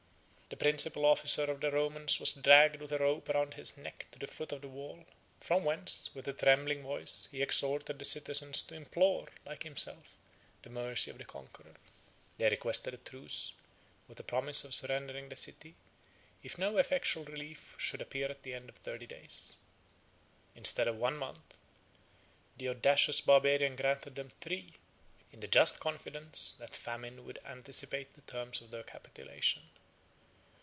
The principal officer of the Romans was dragged, with a rope round his neck, to the foot of the wall, from whence, with a trembling voice, he exhorted the citizens to implore, like himself, the mercy of the conqueror. They requested a truce, with a promise of surrendering the city, if no effectual relief should appear at the end of thirty days. Instead of one month, the audacious Barbarian granted them three, in the just confidence that famine would anticipate the term of their capitulation.